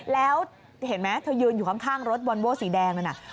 แล้วเห็นไหมเธอยืนอยู่ข้างรถวอนโว้สีแดงนั่นน่ะ